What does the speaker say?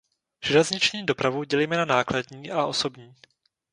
Železniční dopravu dělíme na nákladní a osobní.